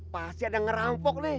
pasti ada ngerampok nih